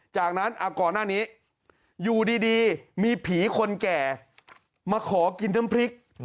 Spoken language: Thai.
จากนั้นก่อนหน้านี้อยู่ดีมีผีคนแก่มาขอกินน้ำพริก